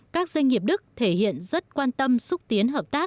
các doanh nghiệp đức thể hiện rất quan tâm xúc tiến hợp tác